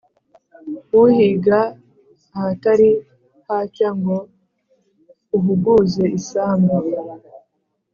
uhiga ahatari hacya ngo uhuguze isambu.